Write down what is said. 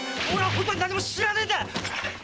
本当に俺は何も知らないんだ！